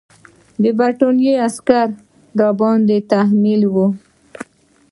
برټانوي عسکر مه راباندې تحمیلوه.